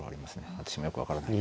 私もよく分からない。